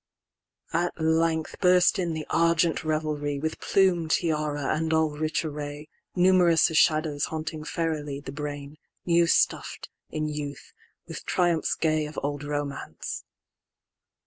V.At length burst in the argent revelry, With plume, tiara, and all rich array, Numerous as shadows haunting fairilyThe brain, new stuff d, in youth, with triumphs gayOf old romance.